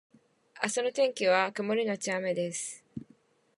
明日の天気は曇りのち雨です